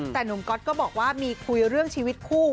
แต่หนุ่มก๊อตก็บอกว่ามีคุยเรื่องชีวิตคู่